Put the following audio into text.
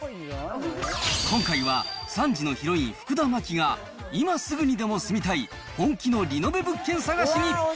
今回は、３時のヒロイン・福田麻貴が、今すぐにでも住みたい本気のリノベ物件探しに。